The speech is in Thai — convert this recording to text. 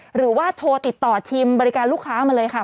หรือว่าโทรติดต่อทีมบริการลูกค้ามาเลยค่ะ